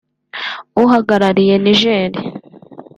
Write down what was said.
uhagarariye Niger